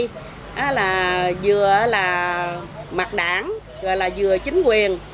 đó là vừa là mặt đảng rồi là vừa chính quyền